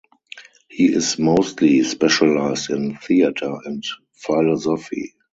He is mostly specialised in theater and philosophy.